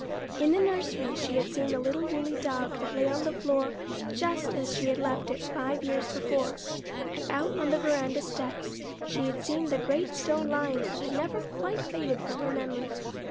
In the nursery she had seen the little woolly dog that lay on the floor just as she had left it five years before; and out on the veranda steps she had seen the great stone lions that had never quite faded from her memory.